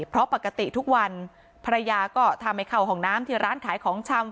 เพราะปกติทุกวันภรรยาก็ถ้าไม่เข้าห้องน้ำที่ร้านขายของชำ